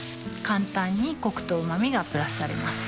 簡単にコクとうま味がプラスされます